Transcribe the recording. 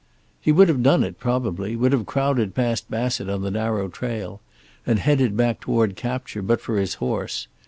He would have done it, probably, would have crowded past Bassett on the narrow trail and headed back toward capture, but for his horse.